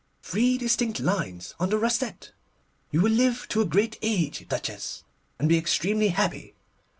Three distinct lines on the rascette! You will live to a great age, Duchess, and be extremely happy.